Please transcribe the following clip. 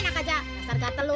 eh enak aja pasar gatel lu